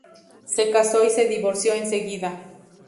Se casó y se divorció enseguida.